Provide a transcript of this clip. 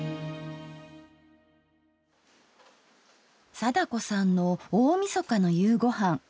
貞子さんの大みそかの夕ごはん。